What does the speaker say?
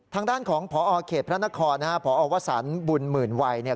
ทางด้านของพอเขตพระนครพอวศบุญหมื่นวัย